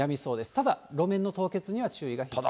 ただ、路面の凍結には注意が必要です。